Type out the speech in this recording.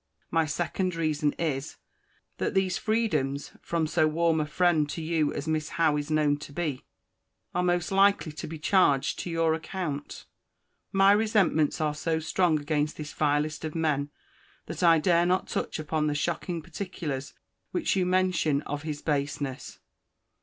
My second reason is, That these freedoms, from so warm a friend to you as Miss Howe is known to be, are most likely to be charged to your account. My resentments are so strong against this vilest of men, that I dare not touch upon the shocking particulars which you mention of his baseness.